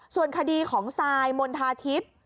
ส่วนคดีของซายมณฑาทิพย์